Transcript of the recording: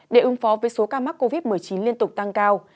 để ứng phó với số ca mắc covid một mươi chín liên tục tăng cao